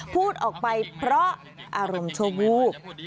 พูดออกไปเพราะอารมณ์ชั่ววูบ